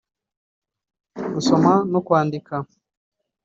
gusoma no kwandika